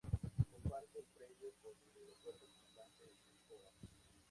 Comparte el predio con el Aeropuerto Comandante Espora.